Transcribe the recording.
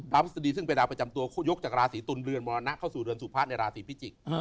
พฤษฎีซึ่งเป็นดาวประจำตัวเขายกจากราศีตุลเรือนมรณะเข้าสู่เรือนสุพะในราศีพิจิกษ์